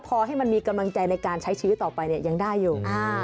พอให้มันมีกำลังใจในการใช้ชีวิตต่อไปเนี่ยยังได้อยู่